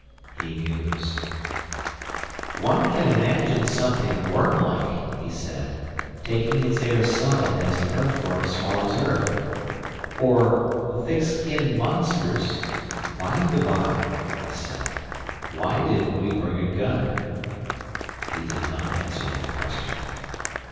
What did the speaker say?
He mused. "One can imagine something worm like," he said, "taking its air solid as an earth worm swallows earth, or thick skinned monsters—" "By the bye," I said, "why didn't we bring a gun?" He did not answer that question.